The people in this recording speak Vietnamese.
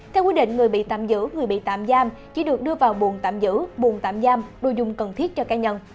theo quy định người bị tạm giữ người bị tạm giam chỉ được đưa vào buồn tạm giữ buồn tạm giam đối dùng cần thiết cho cá nhân